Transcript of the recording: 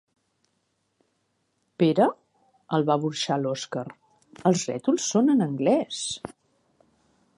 Pere? —el va burxar l'Oskar— Els rètols són en anglès!